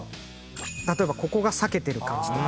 例えばここが裂けてる感じとか。